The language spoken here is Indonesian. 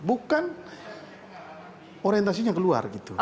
bukan orientasinya keluar gitu